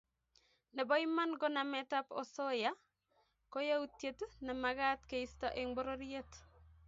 Nebo iman ko nametab osoya ko yautiet nemagat keisto eng pororiet